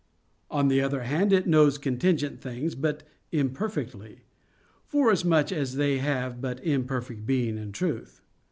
On the other hand, it knows contingent things, but imperfectly; forasmuch as they have but imperfect being and truth.